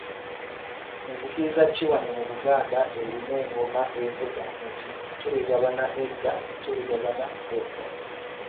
"Nzikiriza ki wano mu Buganda erina eng’oma evuga nti “Tuligabana edda, tuligabana edda”?"